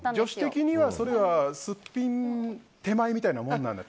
女子的にはそれはすっぴん手前みたいなものなんだ。